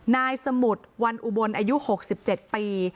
นายสมุทรวันอุบลอายุ๖๗ปี